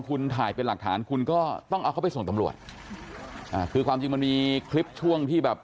คุณถ่ายเป็นหลักฐานคุณก็ต้องเอาเขาไปส่งตำรวจอ่าคือความจริงมันมีคลิปช่วงที่แบบ